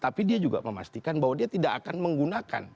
tapi dia juga memastikan bahwa dia tidak akan menggunakan